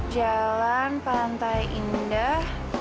jalan pantai indah